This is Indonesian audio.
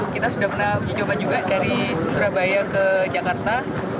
kita sudah pernah uji coba juga dari surabaya ke jakarta